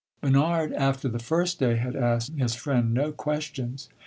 Bernard, after the first day, had asked his friend no questions.